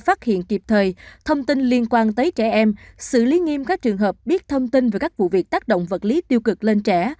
phát hiện kịp thời thông tin liên quan tới trẻ em xử lý nghiêm các trường hợp biết thông tin về các vụ việc tác động vật lý tiêu cực lên trẻ